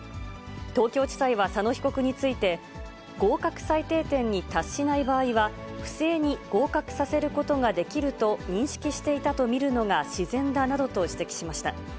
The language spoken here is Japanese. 東京地裁は佐野被告について、合格最低点に達しない場合は、不正に合格させることができると認識していたと見るのが自然だなどと指摘しました。